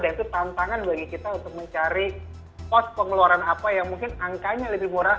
dan itu tantangan bagi kita untuk mencari post pengeluaran apa yang mungkin angkanya lebih murah